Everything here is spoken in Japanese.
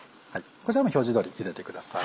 こちらは表示通りゆでてください。